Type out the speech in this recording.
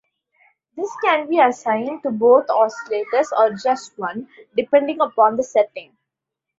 This can be assigned to both oscillators or just one, depending upon the setting.